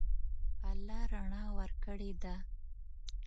الله رڼا ورکړې ده.